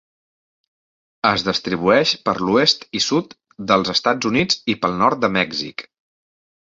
Es distribueix per l'oest i sud dels Estats Units i pel nord de Mèxic.